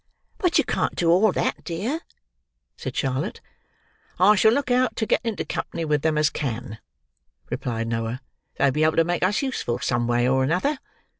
"But you can't do all that, dear," said Charlotte. "I shall look out to get into company with them as can," replied Noah. "They'll be able to make us useful some way or another.